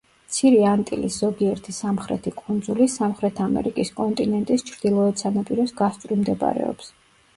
მცირე ანტილის ზოგიერთი სამხრეთი კუნძული, სამხრეთ ამერიკის კონტინენტის ჩრდილოეთ სანაპიროს გასწვრივ მდებარეობს.